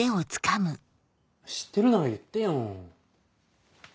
知ってるなら言ってよ。